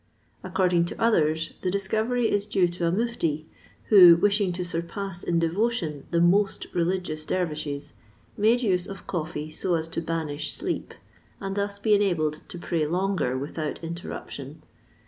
According to others, the discovery is due to a mufti, who, wishing to surpass in devotion the most religious dervishes, made use of coffee so as to banish sleep, and thus be enabled to pray longer without interruption.